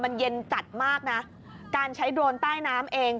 มันเย็นจัดมากนะการใช้โดรนใต้น้ำเอง